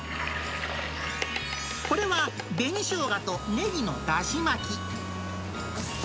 これは紅ショウガとネギのだし巻き。